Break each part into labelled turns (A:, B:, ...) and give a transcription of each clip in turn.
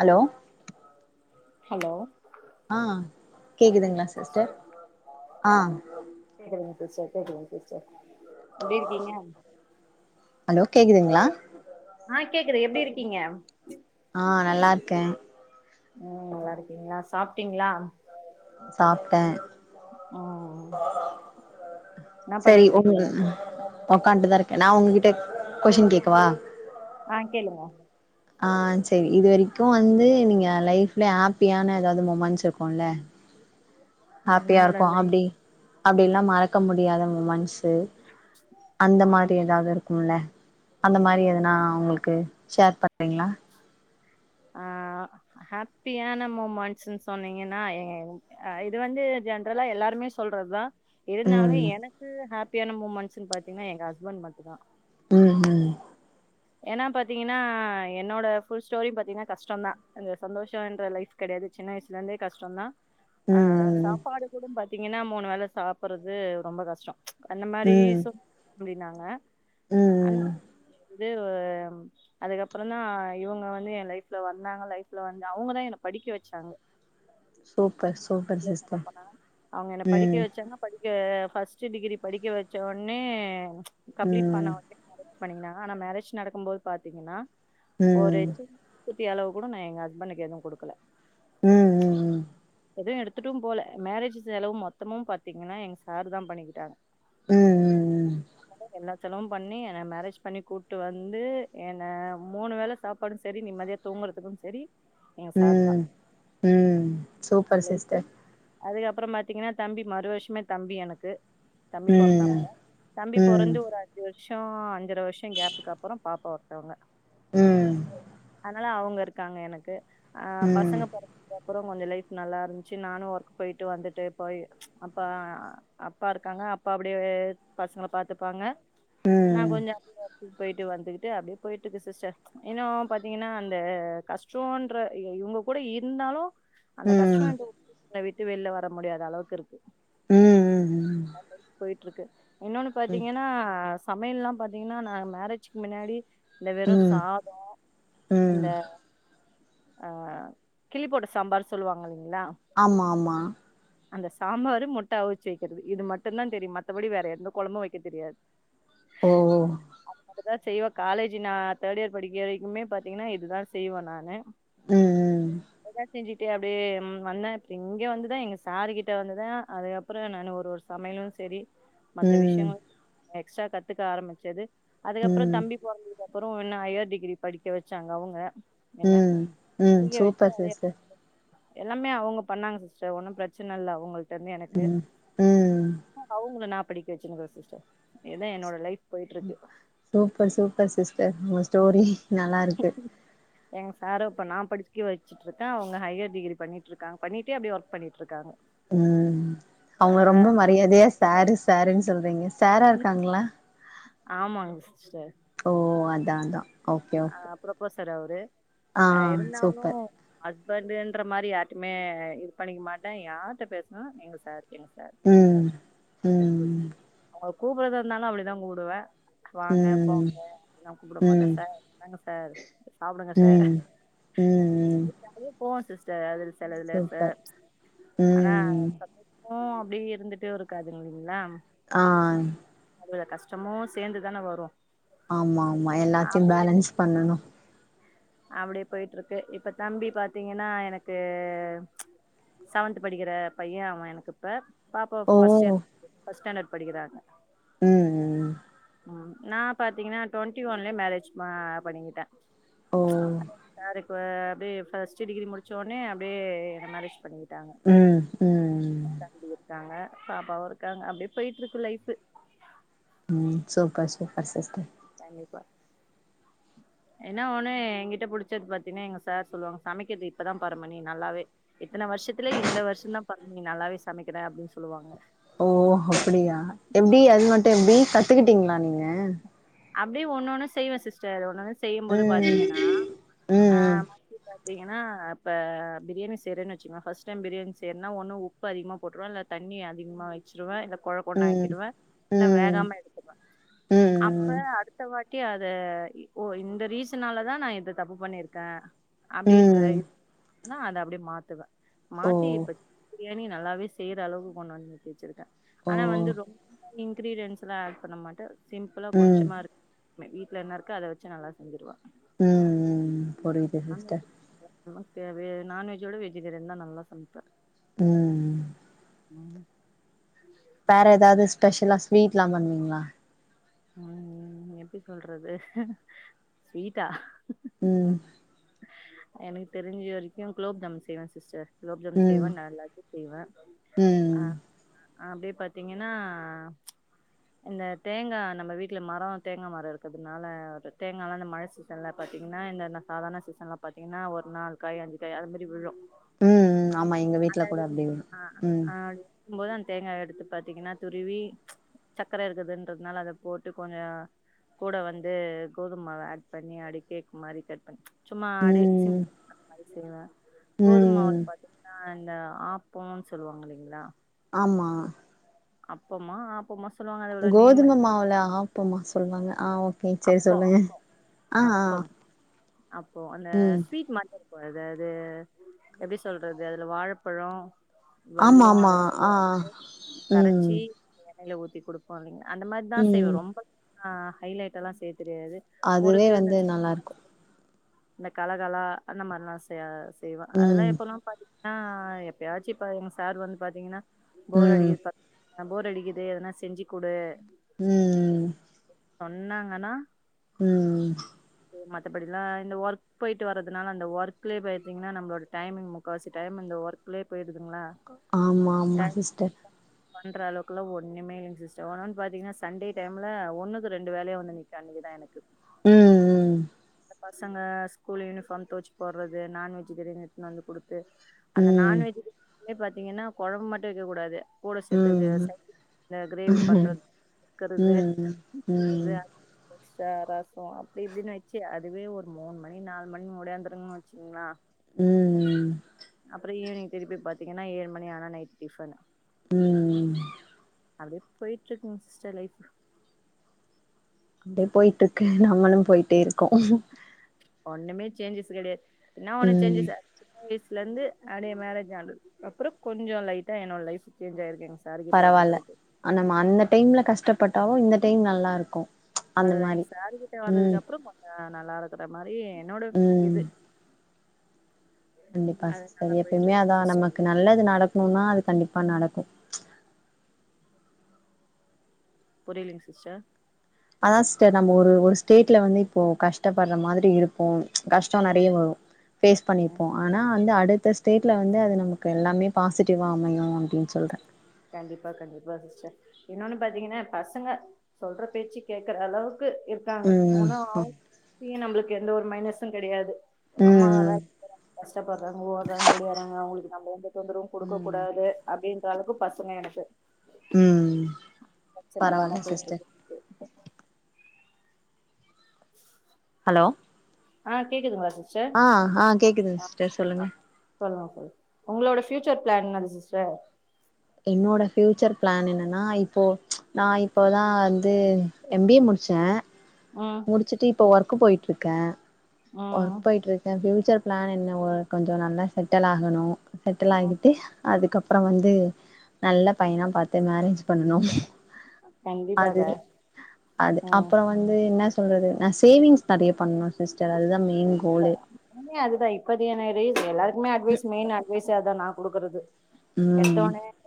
A: Hello
B: hello
A: அ கேக்குதுங்களா sister அ
B: கேக்குதுங்க சிஸ்டர் கேக்குதுங்க சிஸ்டர் எப்டி இருக்கீங்க
A: ஹலோ கேக்குதுங்களா
B: ஆ கேக்குது எப்டி இருக்கீங்க
A: ஆ நல்லா இருக்கே
B: ம் நல்லா இருக்கீங்களா சாப்ட்டீங்களா
A: சாப்ட்டே
B: ஒ ஒ என்ன பண்ணிட்டு இருக்கீங்க
A: ஒக்கான்ட்டுதா இருக்கேன் நான் ஒங்ககிட்ட கொஷின் கேக்கவா
B: அ கேளுங்க
A: ஆ சரி இது வரைக்கு வந்து நீங்க லைஃப்ல ஹாப்பியான எதாவது மொமெண்ட்ஸ் இருக்கும்ல்ல ஹாப்பியா
B: என்னோட
A: இருக்கு
B: லைஃப்
A: அப்டி அப்டில்லா மற மறக்க முடியாத மொமன்ஸு அந்த
B: ம்
A: மாரி ஏதாவது இருக்கும்ல அந்த மாரி எதுனா உங்களுக்கு ஷேர் பண்றீங்களா
B: அ ஹாப்பியான மொமெண்ட்ஸ்ன் சொன்னீங்கன்னா என் அ இது வந்து ஜென்றலா எல்லாருமே சொல்றது தா இருந்தாலும்
A: ம்
B: எனக்கு ஹாப்பியான மூமெண்ட்ஸ்ன்னு பாத்தீங்கன்னா எங்க ஹஸ்பண்ட் மட்டு தா
A: ம் ம்
B: ஏன்னா பாத்தீங்கன்னா என்னோட ஃபுல் ஸ்டோரி பாத்தீங்கன்னா கஷ்டம்தான் அ சந்தோஷம் என்ற லைஃப் கெடையாது சின்ன வயசுல இருந்தே கஷ்டம்தா அ
A: ம்
B: சாப்பாடு கூட பாத்தீங்கன்னா மூணு வேள சாப்டறது ரொம்ப கஷ்டம் அந்த மாரி
A: ம் ம் ம்
B: [unintelligible] வந்து அதுக்கப்பறம் தா இவங்க வந்து என் லைஃப்ல வந்தாங்க லைஃப்ல வந்து அவங்கதா என்ன படிக்க வச்சாங்க
A: சூப்பர் சூப்பர்
B: இன்னு
A: சிஸ்டர்
B: சொல்லபோனா அவங்க என்ன படிக்க
A: ம்
B: வச்சாங்க படிக்க ஃபஸ்ட்டு டிகிரி படிக்க வெச்ச உடனே கம்ப்ளீட் பண்ண
A: ம்
B: உடனே மேரேஜ் பண்ணிங்கனா ஆனா மேரேஜ் நடக்கும் போது பாத்தீங்னா ஒரு
A: ம்
B: குத்தி அளவு கூட நா எங்க ஹபண்டுக்கு எதுவு குடுக்கல
A: ம் ம் ம்
B: எதுவு எடுத்துட்டும்போல மேரேஜ் செலவு மொத்தமு பாத்தீங்கன்னா எங்க சாரு தா பண்ணிக்கிட்டாங்க [inaudible]
A: ம்
B: செலவும் பண்ணி என்ன மேரேஜ் பண்ணி கூட்டு வந்து என்ன மூணு வேள சாப்பாடு சரி நிம்மதி தூங்றதுக்கு சரி எங்க
A: ம் ம் சூப்பர்
B: ஃலைப்
A: சிஸ்டர்
B: அதுக்கப்பறோ பாத்தீங்ன்னா தம்பி மறு வருஷமே தம்பி எனக்கு தம்பி
A: ம்
B: பொறந்தாப்ல தம்பி
A: ம் ம்
B: பொறந்து ஒரு அஞ்சு வருஷோ அஞ்சர வருஷோ கேப்புக்கு அப்பரோ பாப்பா ஒருத்தவங்க
A: ம்
B: அதனால அவங்க இருக்காங்க எனக்கு அ
A: ம்
B: பசங்க பொறந்ததுக்கப்றோ கொஞ்ச லைஃப் நல்லா இருந்துச்சு நானு ஒர்க் போய்ட்டு வந்துட்டு போய் அப்ப அப்பா இருக்காங்க அப்பா அப்டியே பசங்கள பாத்துப்பாங்க நா
A: ம்
B: கொஞ்சோ [inaudible] போய்ட்டு வந்துகிட்டு அப்டியே போய்ட்டு இருக்கு சிஸ்டர் இன்னு பாத்திங்கன்னா அந்த கஷ்டோன்ற இவங்க கூட இருந்தாலு அந்த கஷ்டோ
A: ம்
B: [inaudible] என்ன விட்டு வெளில வர முடியாத அளவுக்கு இருக்கு
A: ம் ம் ம்
B: போய்ட்ருக்கு இன்னொன்னு பாத்திங்கன்னா சமையல்லா பாத்தீங்ன்னா நா மேரேஜ்க்கு மின்னாடி இந்த வெறு சா [inaudible] இந்த அ கிள்ளி போட்ட சாம்பார் சொல்லுவாங்க இல்லைங்ளா
A: ஆமா ஆமா
B: அந்த சாம்பாரு முட்ட அவுச்சு வைக்றது இது மட்டுந்தா தெரியு மத்தபடி வேற எந்த கொழம்பு வைக்க தெரியாது
A: ஓ ஓ
B: இதா செய்வ காலேஜ் நா தேட் இயர் படிக்க வரைக்குமே பாத்திங்ன்னா இதுதா செய்வ நானு
A: ம்
B: இத செஞ்சி அப்டியே வந்தாச்சி இங்க வந்துதா எங்க சார் கிட்ட வந்துதா அதுக்கப்றோ நானு ஒரு ஒரு சமையலும் சரி மத்த
A: ம்
B: விஷ்யங்கள் எக்ஸ்ட்ரா கத்துக்க ஆரம்பிச்சது அதுக்கப்றோ
A: ம்
B: தம்பி போறந்து அதுக்கப்றோ என்ன ஐயர் டிகிரி படிக்க வச்சாங்க அவ்ங்க என்ன
A: ம் ம்
B: படிக்க வச்சு
A: சூப்பர்
B: அதே
A: சிஸ்டர்
B: எல்லாமே அவ்ங்க பண்ணாங்க ஸிஸ்டர் ஒன்னு பிரச்சன இல்ல அவங்கள்ட்ட இர்ந்து எனக்கு
A: ம் ம்
B: அவ்ங்கள நா படிக்க வச்சிர்க்க ஸிஸ்டர் இதா என்னோட லைஃப் போய்ட்ருக்கு
A: சூப்பர் சூப்பர் ஸிஸ்டர் உங்க ஸ்டோரி நல்லா இருக்கு
B: எங்க சாரோ இப்ப நா படிக்க வச்சு சிட்டு இருக்க அவ்ங்க ஹையர் டிகிரி பண்ணிட்ருக்காங்க பண்ணிட்டே அப்டியே ஒர்க் பண்ணிட்ருக்காங்க
A: ம் அவ்ங்கள ரொம்ப மரியாதையா சரு சருன்னு சொல்றீங்க சரா இர்க்காங்ளா
B: ஆமாங்க ஸிஸ்டர்
A: ஓ அதான் அதான்
B: அ ப்ரொபசர் அவரு
A: ஆ
B: அ இருந்தாலு
A: சூப்பர்
B: ஹஸ்பண்டுன்ற மாரி யார்டயுமே இது பண்ணிக்க மாட்டே யார்ட்ட பேஸ்நாலும் எங்க ஸாரு
A: ம் ம்
B: அவ்ங்கல கூப்பட்றத இர்ந்தாலு அப்டிதா கூப்டுவே வாங்க
A: ம்
B: போங்க அப்டில்லா கூப்ட
A: ம்
B: மாட்டே என்னங்க சார் சாப்டுங்க சார்
A: ம் ம்
B: போன் ஸிஸ்டர் அதுல செலதுல ச
A: சூப்பர்
B: அனா
A: ம்
B: உம் அப்டி இருந்துட்டு இருக்காது இங்லிங்களா
A: ஆ
B: அதுல கஷ்டமு சேந்து தான வரு
A: ஆமா ஆமா எல்லாத்தயு பேலன்ஸ் பண்ணணு
B: அப்டி போய்ட்ருக்கு இப்ப தம்பி பாத்திங்கன்னா எனக்கு செவன்த் படிக்கிற பைய அவ எனக்கு இப்ப பாப்பா
A: ஓ
B: ஃபஸ்ட் இயர் ஃபஸ்ட் ஸ்டாண்டட் படிகிறாங்க
A: ம்ம்
B: ம் நா பாத்திங்கன்னா டொண்டி ஒன்லே மேரேஜ் பண்ணிகிட்ட
A: ஓ
B: சாருக்கு அப்டியே ஃபர்ஸ்ட் டிகிரி முடிச்சோனே அப்டியே என்ன மேரேஜ் பண்ணிகிட்டாங்க
A: ம் ம்
B: ஃபேமலி இருக்காங்க பாப்பாவும் இருக்காங்க அப்டியே போயிட்டு இருக்கு லைஃபு
A: ம் சூப்பர் சூப்பர் ஸிஸ்ட்டர்
B: கண்டிப்பா என்ன ஒண்ணு எங்கிட்ட புடிச்சது பாத்தீங்கன்னா எங்க சார் சொல்லுவாங்க சமைக்கிறது இப்பதான் பாரம்மனி நல்லாவே இத்தன வருஷத்துலயே இந்த வருஷம் தான் பாரம்மனி நல்லாவே சமைக்கிற அப்படின்னு சொல்லுவாங்க
A: ஓ அப்படியா எப்டி அது மட்டும் எப்டி கத்துக்கிட்டீங்களா நீங்க
B: அப்டி ஒன்னொண்ணு செய்வன் சிஸ்டர் ஒன்னொண்ணு செய்யும்போது
A: ம்
B: பாத்தீங்கன்னா ஆ
A: ம்
B: பாத்தீங்கன்னா இப்ப பிரியாணி செய்றேன் வச்சீங்க ஃபர்ஸ்ட் டைம் பிரியாணி செய்றன்னா ஒன்னு உ உப்பு அதிகமா போட்டுருவேன் இல்ல தண்ணி அதிகமா வச்சிருவேன் இல்ல கொழ கொழன்னு
A: ம்
B: ஆக்கிடுவேன் இல்ல
A: ம்
B: வேகாம எடுத்துவேன் இப்ப
A: ம்
B: அடுத்த வாட்டி அத ஓ இந்த ரீசனாலதான் நான் இந்த தப்பு பண்ணிருக்கேன் அப்டின்ற
A: ம்
B: அதனா அப்டியே மாத்துவே
A: ஓ
B: மாத்தி இப்ப பிரியாணி நல்லாவே செய்யற அளவுக்கு கொண்டு வந்து நித்தி வச்சிருக்கே
A: ஓ
B: ஆனா வந்து ரொம்ப இன்கிரீடியன்ட்ஸ்லா ஆட் பண்ண மாட்டே சிம்ப்பிளா
A: ம்
B: கொஞ்சமா இருக் மே வீட்ல என்ன இருக்க அத வச்சு நல்லா செஞ்சிருவே
A: ம் ம் ம் புரியுது சிஸ்ட்டர்
B: நமக் தேவயா நான்வெஜ்ஜ விட வெஜுடேரியன் தா நல்லா சம்ப்பே
A: ம் ம்
B: ம்
A: வேற ஏதாவது ஸ்பெஷலா ஸ்வீட்லா பண்வீங்ளா
B: ம் எப்படி சொல்றது ஸ்வீட்டா
A: ம்
B: எனக்கு தெரிஞ்ச வரைக்கு குலோப் ஜாமுன் செய்வே சிஸ்டர் குலோப் ஜாமுன்
A: ம்
B: செய்வே நா லட்டு செய்வே
A: ம்
B: அ அ அப்டியே பாத்தீங்கன்னா இந்த தேங்கா நம்ம வீட்ல மரோ தேங்கா மரோ இருக்கதுனால ஒரு தேங்காலா இந்த மழை சீ சன்ல பாத்தீங்னா இந்த ன்ன சாதார்ண சீசன்ல பாத்தீங்னா ஒரு நால் காய் அஞ்சு காய் அது மாரி விழு
A: ம் ம் ஆமா எங்க வீட்ல கூட அப்டி விழு ம்
B: ம் போது அந்த தேங்கா எடுத்து பாத்தீங்ன்னா துருவி சக்கர இருக்குதுன்றதுனால அத போட்டு கொஞ்சோ கூட வந்து கோதும்மாவ ஆட் பண்ணி அடி கேக் மாரி கட் சும்மா அடியே
A: ம்
B: [inaudible] செய்வே கோதும்மாவுல
A: ம்
B: பாத்தீங்ன்னா அ இந்த ஆப்போன் சொல்வாங்க இல்லைங்ளா
A: ஆம்மா
B: அப்பமா ஆப் போமா சொல்வாங்க அத
A: கோதும மாவுல ஆப்பம்மா சொல்வாங்க ஆ ஓக்கே சரி
B: அப்போ
A: சொல்லுங்க ஆ ஆ
B: அப்பம் அப்போ அந்த
A: ம்
B: ஸ்வீட் மா [inaudible] ப்ப ஏதாவது எப்டி சொல்றது அதுல வாழப்பழொ
A: ஆமா
B: வெல்லோ
A: ஆமா
B: அதெல்லா
A: ஆ
B: போட்டுட்டு
A: ம்
B: கரைச்சி எண்ணைல ஊத்தி குடுப்போ இல்லைங்க அந்த மார்தா செய்வே
A: ம்
B: ரொம்ப ஆ ஹைலைட்டல்லா செய்ய தெரியாது
A: அதுவே
B: முறுக்கு இந்த
A: வந்து நல்லாருக்கு
B: [inaudible] இந்த கலகலா அந்த மார்லா செய செய்வே அதெல்லா
A: ம்
B: இப்பல்லா பாத்தீங்னா எப்பயாச்சு இப்ப எங் சார் வந்து பாத்தீங்னா போர்
A: ம்
B: அடிக்குது [inaudible] போர் அடிக்குது எதுனா செஞ்சு குடு
A: ம்
B: ன்னாங்கனா
A: ம் ம்
B: மத்தபடிலா இந்த ஒர்க் போயிட்டு வர்றதுனால அந்த ஒர்க்லேயே பயத்தீங்ன்னா நம்ளோட டைமிங் முக்காவாசி டைம் இந்த ஒர்க்லே போயிடுதுங்ளா
A: ஆம்மா ஆமா சிஸ்டர்
B: பண்ற அளவுக்கலா ஒன்னுமே இல்லைங் சிஸ்டர். ஒன்னொன் பாத்தீங்னா சண்டே டைம்ல ஒன்னுகு ரெண்டு வேலையா வந்து நிக்கு அன்னைக்கு தா எனக்கு
A: ம் ம்
B: பசங்க ஸ்கூல் யூனிஃபார்ம் தோச்சு போட்றது நான்வெஜ்ஜூ திடீர்னு எடுத்துனு வந்து குடு த்து அந்த
A: ம்
B: நான்வெஜ் [inaudible] பாத்தீங்கன்னா கொழம்பு மட்டு வெக்க கூடாது கூட செத்தது
A: ம்
B: [inaudible] கிரேவி பண்ற [inaudible]
A: ம்
B: க்கறது
A: ம்
B: வே எக்ஸ்ட்ரா ரசோ அப்டி இப்டின்னு வச்சு அதுவே ஒரு மூனு மணி நாலு மணி முடியாந்துருங்கன்னு வச்சுங்களா
A: ம் ம்
B: அப்றோ ஈவினிங் திருப்பி பாத்தீங்கன்னா ஏழு மணி ஆன நைட் டிஃபன்னு
A: ம் ம்
B: அப்டியே போயிட்டு இருக்குங்க சிஸ்டர் லைஃப்
A: அப்டி போயிட்டுருக்கு நாம்மளு போயிட்டேருக்கோ
B: ஒன்னுமே சேஞ்சஸ் கெடையாது என்னா ஒன்னு
A: ம்
B: சேஞ்சஸ் சின்ன வயசலந்து அப்டியே மேரேஜ் ஆனது அப்புறோ கொஞ்சோ லைட்டா என்னோட லைஃப் சேஞ்ச்சாயிருக்கு ஸ்
A: பரவால்ல ஆனா நம் அந்த டைம்ல கஷ்டப்பட்டாலோ இந்த டைம் நல்லாருக்கோ
B: நல்லா எங்க சார் கிட்ட வந்ததுக்கு அப்புறோ கொஞ்சோ நல்லாரு க்கற மாரி என்னோட
A: ம்
B: இது
A: கண்டிப்பா
B: அது
A: சிஸ்டர்
B: நல்லா போயிட்டு
A: எப்போமே
B: இருக்கு
A: அதா நமக்கு
B: சிஸ்டர்
A: நல்லது நடக்குணோன்னா அது கண்டிப்பா நடக்கு
B: புரிலிங் சிஸ்டர்
A: அதா சிஸ்டர் நம்ம ஒரு ஒரு ஸ்டேட்ல வந்து இப்போ கஷ்டப்படுற மாதிரி இருப் ப்போ கஷ்டோ
B: ம்
A: நறைய வரு ஃபேஸ்
B: ம்.
A: பண்ணிருப்போ ஆனா வந்து அடுத்த ஸ்டேட்ல வந்து அது நமக்கு எல்லாமே பாசிட்டிவ்வா அமையு அப்டின் சொல்றே
B: கண்டிப்பா கண்டிப்பா சிஸ்டர் இன்னொன்னு பாத்தீங்கன்னா பசங்க சொல்ற பேச்சு கேக்கற அளவுக் கு இருக்காங்க
A: ம்.
B: முன்னோ
A: அ
B: அவுங் [inaudible] நம்ளுக்கு எந்த ஒரு மைனஸு கெடையாது அம்மா
A: ம்.
B: வேலைக்கி போறாங்க கஷ்டப்படுறாங்க ஓடுறாங்க ஒடியாறாங்க அவங்களுக்கு நம்ம எந்த தொந்தரவு குடுக்க
A: ம்.
B: கூடாது அப்டின்ற அளவுக்கு பசங்க எனக்கு
A: ம்
B: பிரச்சன இல்லாம
A: பரவால்ல
B: போயிட்டு
A: சிஸ்டர்
B: இருக்கு [inaudible]
A: அலோ
B: ஆ கேக்குதுங்களா சிஸ்
A: ஆ ஆ கேக்குதுங்க சிஸ்டர் சொல்லுங்க
B: சொல்லுங்க சொல் உங்களோட ஃபியூச்சர் பிளான் என்னது சிஸ்டர்
A: என்னோட ஃப்யூச்சர் பிளான் என்னென்னா இப்போ நா இப்போ தா வந்து எம் பி ஏ முடிச்சே
B: ம்
A: முடிச்சிட்டு இப்போ ஒர்க் போயிட்டு இருக்கே
B: ம்
A: ஒர்க் போயிட்டுருக்கே ஃபியூச்சர் பிளான் என்ன ஒ கொஞ்சோ நல்லா செட்டல் ஆகணு
B: ம்
A: செட்டில்லாயிகிட்டு அதுக்கப்புறோ வந்து நல்ல பையனா பாத்து மேரேஜ் பண்ணணு
B: கண்டிப்பாக
A: அது அது
B: ம்
A: அப்புறோ வந் து என்ன சொல்றது நா சேவிங்ஸ் நறைய பண்ணணு சிஸ்டர் அதுதா மெயின் கோலே
B: எல்லாமே அதுதா இப்ப [unintelligible] எல்லாருக்குமே அட்வைஸ் மெயின் அட்வைஸ் அதா நா குடுக்குறது
A: ம்
B: எடுத்தோனே [unintelligible]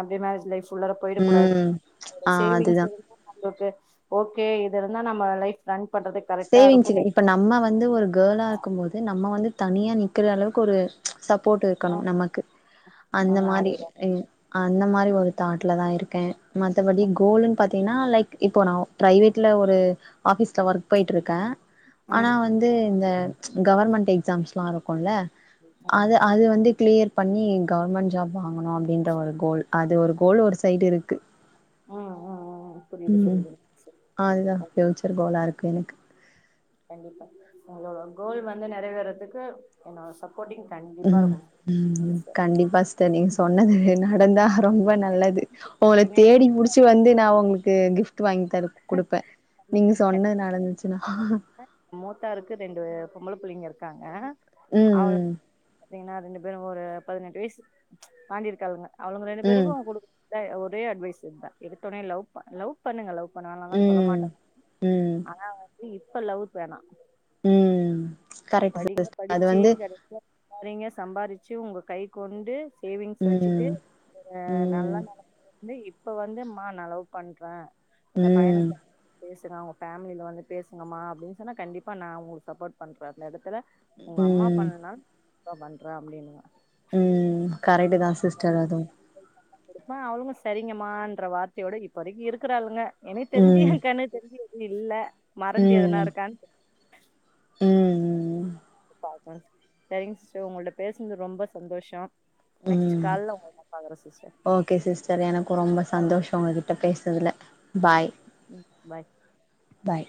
B: அப்டியே மேரேஜ் லைஃப் குள்ளற போயிடக் கூடாது
A: ம் ஆ
B: சேவி்ங்ஸ்
A: அதுதா
B: இரு [inaudible] நம்மளுக்கு ஓகே இது இருந்தா நம்ம லைஃப் ரன் பண்றது
A: சேவிங்ஸுக்கு
B: கரெக்டாருக்குமே
A: இப்ப நம்ம வந்து ஒரு கேர்ளா இருக்கும் போது நம்ம வந்து தனியா நிக்கிற அளவுக்கு ஒரு சப்போர்ட் இருக்கணு
B: ம்
A: நமக்கு அந்த
B: ம்
A: மாரி
B: அதேதா
A: இ அந்த மாரி ஒரு தாட்ல தா இருக்கே மத்தபடி கோல்ன்னு பாத்தீங்கன்னா லைக் இப்போ நா பிரைவேட்ல ஒரு ஆஃபீஸ்ல ஒர்க் போய்ட்டுருக்கே ஆனா
B: ம்
A: வந்து இந்த கவர்மெண்ட் எக்ஸாம்ஸ்லாருக்குல்ல
B: ம்
A: அது அது வந்து கிளியர் பண்ணி கவர்மெண்ட் ஜாப் வாங்கணு அப்டின்ற ஒரு கோல் அது ஒரு கோல் ஒரு சைடு இருக்கு
B: ம் ம் ம் புரியுது
A: ம்
B: புரியுது
A: அதுதா ஃபியூச்சர் கோலா இருக்கு எனக்கு
B: கண்டிப்பா உங்களோட கோல் வந்து நெறவேறதுக்கு என்னோட சப் போட்டிங் கண்
A: ம் ம் கண்டிப்பா ச தரி நீங்க சொன்னது நடந்தா ரொம்ப நல்லது உங்கள
B: பாத்தீங்கன்னா
A: தேடி புடிச் சு வந்து நா உங்களுக்கு கிஃப்ட் வாங்கி தரு குடுப்பே நீங்க சொன்னது நடந்துச்சுன்னா
B: மூத்தாருக்கு ரெண்டு பொம்பள புள்ளைங்க இருக்காங்க அவள
A: ம்
B: பாத்தீங்கன்னா ரெண்டு பேரு ஒரு பதினெட்டு வயசு தாண்டிருக்காளுங்க அவளுங்க ரெண்டு
A: ம்
B: பேருக்கு குடு க்கற ஒரே அட்வைஸ் இத்தா எடுத்தோனே லவ்ப் லவ் பண்ணுங்க லவ் பண்ண வேணம்னால சொல்ல
A: ம்
B: மாட்டே
A: ம்
B: ஆனா வந்து இப்ப லவ்ஸ் வேணா
A: ம் கரெக்ட் சிஸ் அது வந்து
B: பாரிங்க சம்பாரிச்சு உங்க கை கொண்டு சேவிங்ஸ் வச்சுட்டு
A: ம்
B: ஒரு நல்ல
A: ம்
B: நெலமைக்கு வந்து இப்ப வந்து மா நா லவ் பண்றே இந்த
A: ம்
B: பையனுக்கு வ பேசுனா அவங்க ஃபேமிலில வந்து பேசுங்கம்மா அப்டின்னு சொன்னா கண்டிப்பா நா உங்களுக்கு சப்போர்ட் பண்றே அந்த எடத்துல ஒங்க அம்மா
A: ம்
B: பண்ணலனாலு நா பண்ற அப்டின்ன
A: ம் கரெக்டுதா சிஸ்டர் அதுவு
B: [inaudible] அவளுங்க சரிங்கமான்ற வார்த்தையோட இப்ப வரைக்கு இருக்குறாளுங்க எனக் தெரிஞ்சு
A: ம்
B: ஏ கண்ணுக்கு தெரிஞ்சு எதுவு இல்ல மறஞ்சு எதனா இருக்கான்னு
A: ம் ம் ம்
B: பாக்குவோ சரிங்க சிஸ்டர் உங்கள்ட்ட பேசுனது ரொம்ப சந்தோஷோ நெக்ஸ்ட்
A: ம்
B: கால்ல உங்கள நா பாக்கறே சிஸ்டர்
A: ஓகே சிஸ்டர் எனக்கு ரொம்பொ
B: தேங்க்யூ
A: சந்தோஷோ உங்ககிட்ட பேசுனதுல பாய்
B: ம் பாய்
A: பாய்